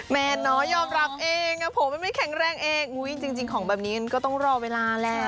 แมนน้อยยอมรับเองอ๋อผมมันไม่แข็งแรงเองอุ๊ยจริงจริงของแบบนี้ก็ต้องรอเวลาแล้ว